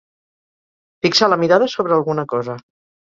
Fixar la mirada sobre alguna cosa.